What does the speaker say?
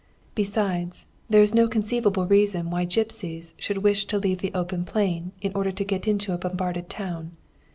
Besides, there is no conceivable reason why gipsies should wish to leave the open plain in order to get into a bombarded town.